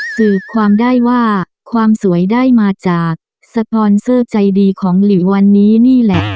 สืบความได้ว่าความสวยได้มาจากสปอนเซอร์ใจดีของหลีวันนี้นี่แหละ